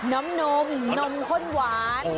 น้ำผมนมข้นหวาน